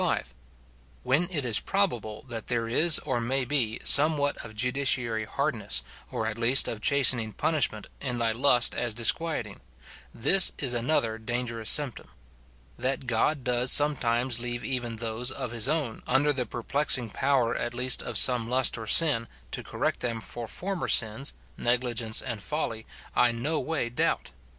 When it is probable that there is, or may be, some what of judiciary hardness, or at least of chastening punishment, in thy lust as disquieting; this is another dangerous symptom. That God does sometimes leave even those of his own under the perplexing power at least of some lust or sin, to correct them for former sins, negligence, and folly, I no way doubt.